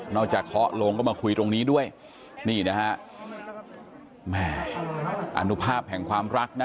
อกจากเคาะลงก็มาคุยตรงนี้ด้วยนี่นะฮะแม่อนุภาพแห่งความรักนะ